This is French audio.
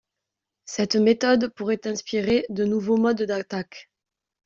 Cette méthode pourrait inspirer de nouveaux modes d’attaques.